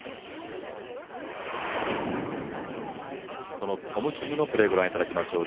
そのトム・キムのプレー、ご覧いただきましょう。